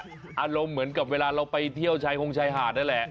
อารมณ์เหมือนกับเวลาเราไปเที่ยวชายฮงชายหาดนั่นแหละ